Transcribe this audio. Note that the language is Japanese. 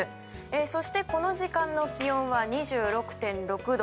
そして、この時間の気温は２６．６度。